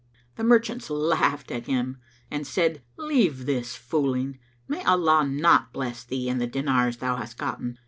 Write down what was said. The merchants laughed at him and said, "Leave this fooling, may Allah not bless thee and the dinars thou hast gotten!